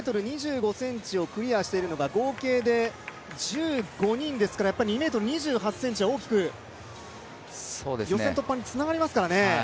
今２ｍ２５ｃｍをクリアしているのが合計で１５人ですから、日本は２ｍ２８ｃｍは大きく予選突破につながりますからね